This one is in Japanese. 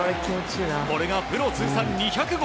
これがプロ通算２００号。